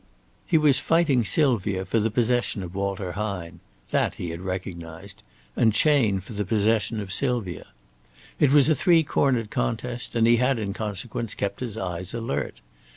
He was fighting Sylvia for the possession of Walter Hine that he had recognized and Chayne for the possession of Sylvia. It was a three cornered contest, and he had in consequence kept his eyes alert.